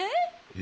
え？